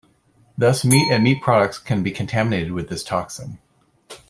Thus, meat and meat products can be contaminated with this toxin.